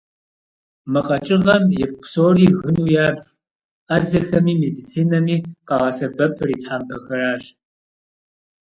Мы къэкӏыгъэм ипкъ псори гыну ябж, ӏэзэхэми медицинэми къагъэсэбэпыр и тхьэмпэхэращ.